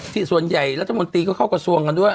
ส่วนใหญ่รัฐมนตรีก็เข้ากระทรวงกันด้วย